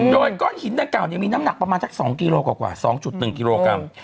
โดยก้อนหินดังกล่าวมีน้ำหนักประมาณสัก๒กิโลกว่า๒๑กิโลกรัม